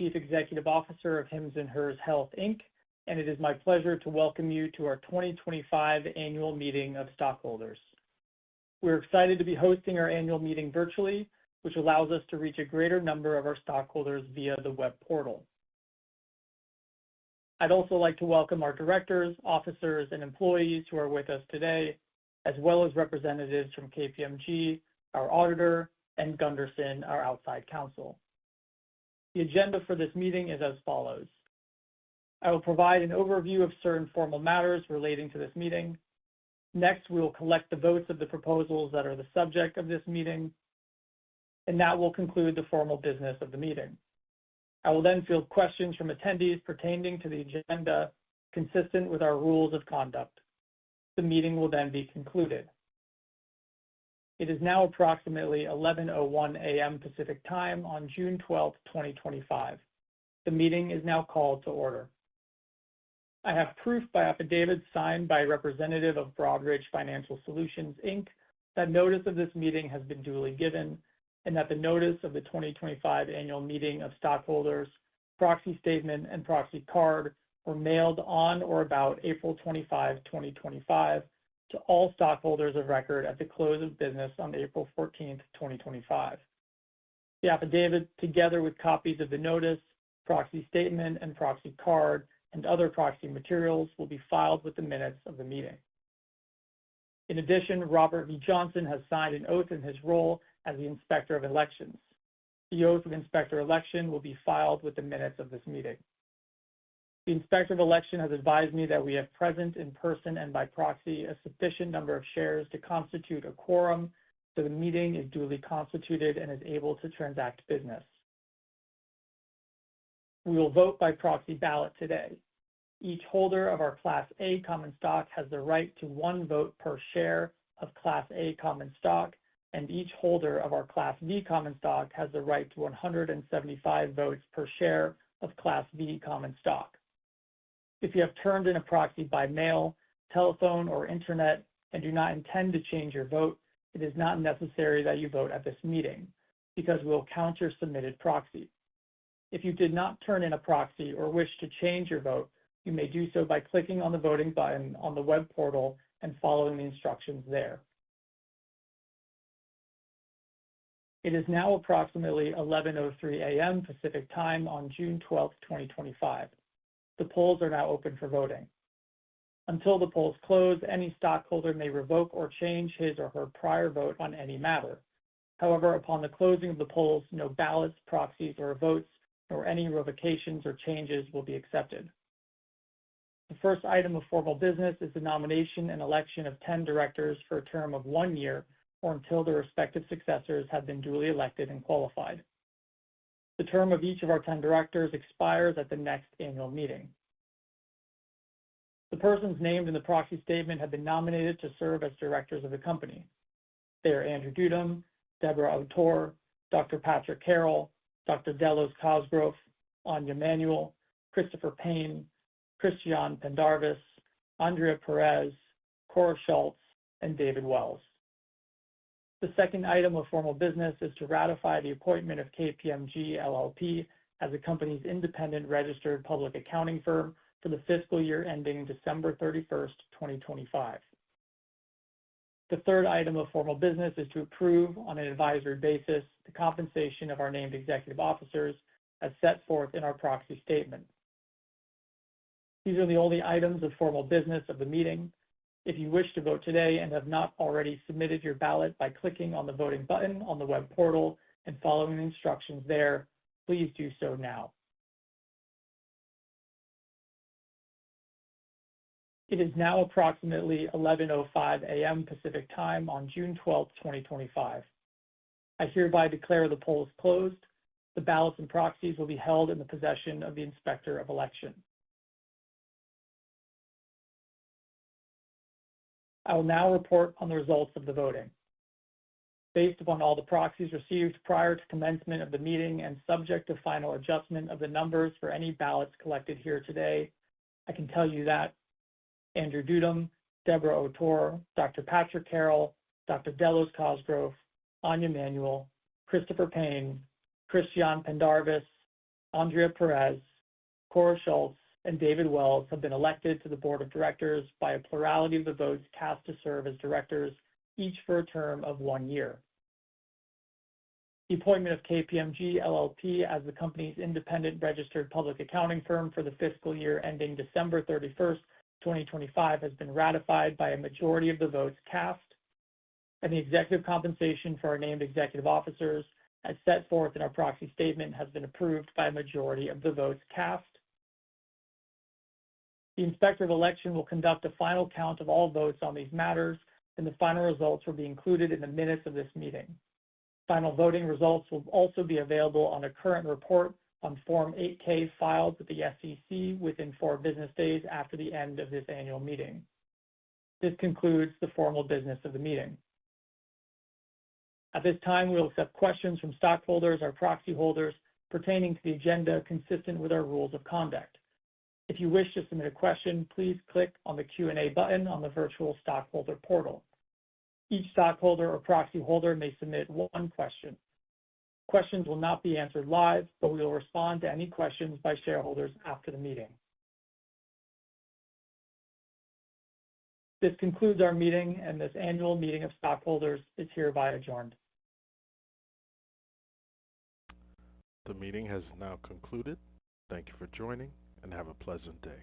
Chief Executive Officer of Hims & Hers Health Inc, and it is my pleasure to welcome you to our 2025 Annual Meeting of Stockholders. We're excited to be hosting our annual meeting virtually, which allows us to reach a greater number of our stockholders via the web portal. I'd also like to welcome our directors, officers, and employees who are with us today, as well as representatives from KPMG, our auditor, and Gunderson, our outside counsel. The agenda for this meeting is as follows. I will provide an overview of certain formal matters relating to this meeting. Next, we will collect the votes of the proposals that are the subject of this meeting, and that will conclude the formal business of the meeting. I will then field questions from attendees pertaining to the agenda consistent with our rules of conduct. The meeting will then be concluded. It is now approximately 11:01 A.M. Pacific Time on June 12, 2025. The meeting is now called to order. I have proof by affidavit signed by a representative of Broadridge Financial Solutions Inc that notice of this meeting has been duly given and that the notice of the 2025 Annual Meeting of Stockholders, Proxy Statement, and Proxy Card were mailed on or about April 25, 2025, to all stockholders of record at the close of business on April 14, 2025. The affidavit, together with copies of the notice, Proxy Statement, and Proxy Card, and other proxy materials, will be filed with the minutes of the meeting. In addition, Robert V. Johnson has signed an oath in his role as the Inspector of Election. The oath of Inspector of Election will be filed with the minutes of this meeting. The Inspector of Election has advised me that we have present in person and by proxy a sufficient number of shares to constitute a quorum, so the meeting is duly constituted and is able to transact business. We will vote by proxy ballot today. Each holder of our Class A Common Stock has the right to one vote per share of Class A Common Stock, and each holder of our Class B Common Stock has the right to 175 votes per share of Class B Common Stock. If you have turned in a proxy by mail, telephone, or internet, and do not intend to change your vote, it is not necessary that you vote at this meeting because we will count your submitted proxy. If you did not turn in a proxy or wish to change your vote, you may do so by clicking on the voting button on the web portal and following the instructions there. It is now approximately 11:03 A.M. Pacific Time on June 12, 2025. The polls are now open for voting. Until the polls close, any stockholder may revoke or change his or her prior vote on any matter. However, upon the closing of the polls, no ballots, proxies, or votes, nor any revocations or changes will be accepted. The first item of formal business is the nomination and election of 10 directors for a term of one year or until their respective successors have been duly elected and qualified. The term of each of our 10 directors expires at the next annual meeting. The persons named in the proxy statement have been nominated to serve as directors of the company. They are Andrew Dudum, Deborah Autor, Dr. Patrick Carroll, Dr. Delos Cosgrove, Anja Manuel, Christopher Payne, Christiane Pendarvis, Andrea Perez, Kåre Schultz, and David Wells. The second item of formal business is to ratify the appointment of KPMG LLP as the company's independent registered public accounting firm for the fiscal year ending December 31st, 2025. The third item of formal business is to approve on an advisory basis the compensation of our named executive officers as set forth in our proxy statement. These are the only items of formal business of the meeting. If you wish to vote today and have not already submitted your ballot by clicking on the voting button on the web portal and following the instructions there, please do so now. It is now approximately 11:05 A.M. Pacific Time on June 12, 2025. I hereby declare the polls closed. The ballots and proxies will be held in the possession of the Inspector of Election. I will now report on the results of the voting. Based upon all the proxies received prior to commencement of the meeting and subject to final adjustment of the numbers for any ballots collected here today, I can tell you that Andrew Dudum, Deborah Autor, Dr. Patrick Carroll, Dr. Delos Cosgrove, Anja Manuel, Christopher Payne, Christiane Pendarvis, Andrea Perez, Kåre Schultz, and David Wells have been elected to the board of directors by a plurality of the votes cast to serve as directors, each for a term of one year. The appointment of KPMG LLP, as the company's independent registered public accounting firm for the fiscal year ending December 31st, 2025, has been ratified by a majority of the votes cast, and the executive compensation for our named executive officers, as set forth in our proxy statement, has been approved by a majority of the votes cast. The Inspector of Election will conduct a final count of all votes on these matters, and the final results will be included in the minutes of this meeting. Final voting results will also be available on a current report on Form 8-K filed with the SEC within four business days after the end of this annual meeting. This concludes the formal business of the meeting. At this time, we'll accept questions from stockholders or proxy holders pertaining to the agenda consistent with our rules of conduct. If you wish to submit a question, please click on the Q&A button on the virtual stockholder portal. Each stockholder or proxy holder may submit one question. Questions will not be answered live, but we will respond to any questions by shareholders after the meeting. This concludes our meeting, and this annual meeting of stockholders is hereby adjourned. The meeting has now concluded. Thank you for joining, and have a pleasant day.